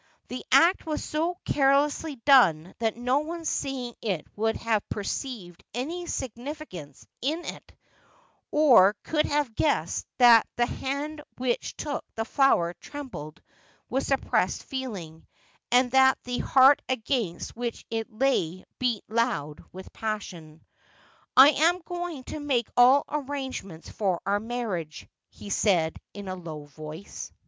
The act was so carelessly done that no one seeing it would have perceived any significance in it, or could have guessed that the hand which took the flower trembled with suppressed feeling, and that the heart against which it lay beat loud with passion. ' I am going to make all arrangements for our marriage,' he said in a low voice.